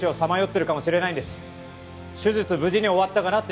って。